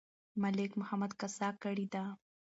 ملک محمد قصه کړې ده.